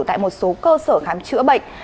tại một số cơ sở khám trữa bệnh